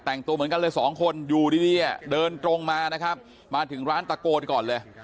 แต่งตัวเหมือนกันเลยสองคนอยู่ดีเดินตรงมานะครับมาถึงร้านตะโกนก่อนเลย